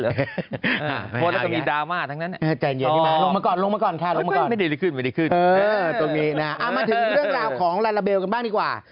เอามาถึงเรื่องราวของลาลาเบลกันบ้างดีกว่า